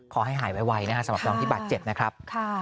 ขอให้หายไวสำหรับทองที่บาดเจ็บนะครับ